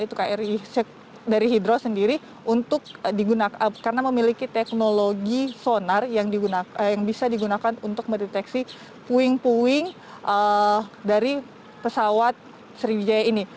yaitu kri dari hidro sendiri untuk digunakan karena memiliki teknologi sonar yang bisa digunakan untuk mendeteksi puing puing dari pesawat sriwijaya ini